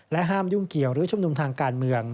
ห้ามยุ่งเกี่ยวหรือชุมนุมทางการเมือง